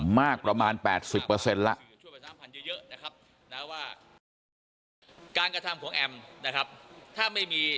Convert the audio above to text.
มากประมาณ๘๐ละ